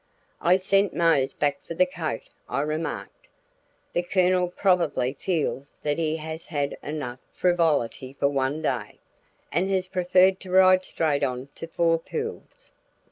"I sent Mose back for the coat," I remarked. "The Colonel probably feels that he has had enough frivolity for one day, and has preferred to ride straight on to Four Pools."